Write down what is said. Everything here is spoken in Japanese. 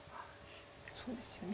そうですよね。